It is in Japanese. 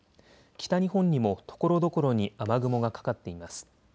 北日本にもところどころに雨雲がかかっています。